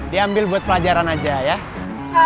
diambil buat pelajaran aja ya